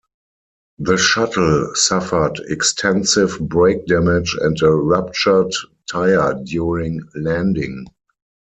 The shuttle suffered extensive brake damage and a ruptured tire during landing.